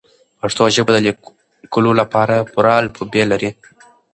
پښتو ژبه د لیکلو لپاره پوره الفبې نلري.